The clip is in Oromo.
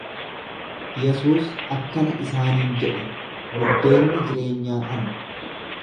Yesuus akkana isaaniin jedhe, Buddeenni jireenyaa ana.